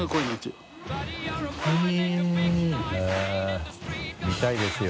児嶋）見たいですよ。